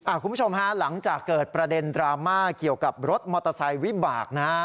คุณผู้ชมฮะหลังจากเกิดประเด็นดราม่าเกี่ยวกับรถมอเตอร์ไซค์วิบากนะฮะ